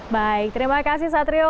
baik terima kasih satrio